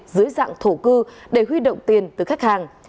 dưới dạng thổ cư để huy động tiền từ khách hàng